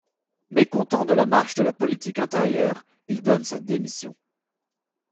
Mécontent de la marche de la politique intérieure, il donne sa démission.